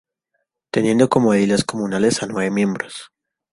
Teniendo como ediles comunales a nueve miembros.